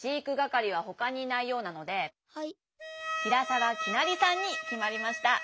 ひらさわきなりさんにきまりました。